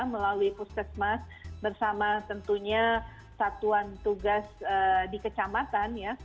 melalui puskesmas bersama tentunya satuan tugas di kecamatan ya